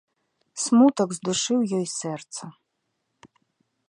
Смутак здушыў ёй сэрца.